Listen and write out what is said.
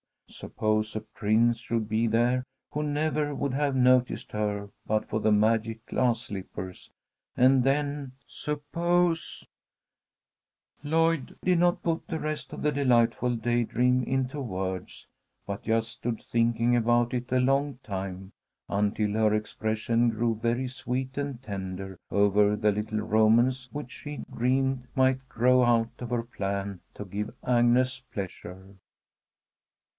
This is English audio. Suppose a prince should be there who never would have noticed her but for the magic glass slippers, and then suppose Lloyd did not put the rest of the delightful daydream into words, but just stood thinking about it a long time, until her expression grew very sweet and tender over a little romance which she dreamed might grow out of her plan to give Agnes pleasure.